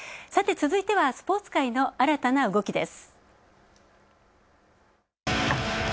続いては、スポーツ界の新たな動きです。